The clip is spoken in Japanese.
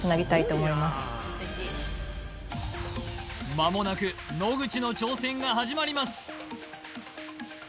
まもなく野口の挑戦が始まります